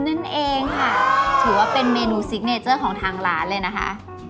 นั่นเองค่ะถือว่าเป็นเมนูซิกเนเจอร์ของทางร้านเลยนะคะ